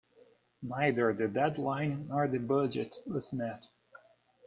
Neither the deadline nor the budget was met.